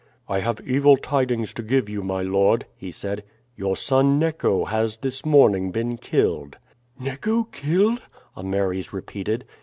"I have evil tidings to give you, my lord," he said. "Your son Neco has this morning been killed." "Neco killed?" Ameres repeated.